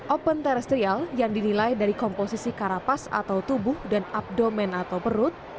open terestrial yang dinilai dari komposisi karapas atau tubuh dan abdomen atau perut